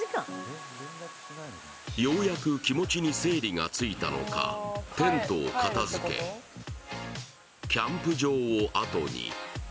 ようやく気持ちに整理がついたのか、テントを片付け、キャンプ場をあとに。